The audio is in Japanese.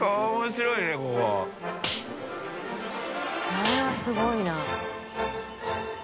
これはすごいな。